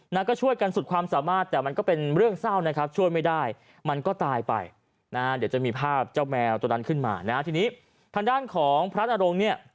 นะก็ช่วยกันสุดความสามารถแต่มันก็เป็นเรื่องเศร้านะครับช่วยไม่ได้มันก็ตายไปนะเดี๋ยวจะมีภาพเจ้าแมวตัวนั้นขึ้นมานะทีนี้ทางด้านของพระนรงเนี่ย